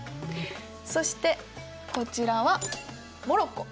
そしてこちらはモロッコ。